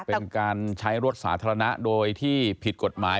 เป็นการใช้รถสาธารณะโดยที่ผิดกฎหมาย